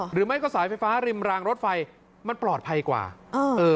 หรือไม่ก็สายไฟฟ้าริมรางรถไฟมันปลอดภัยกว่าเออเออ